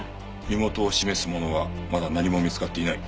身元を示すものはまだ何も見つかっていない。